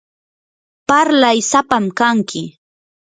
parlay sapam kanki.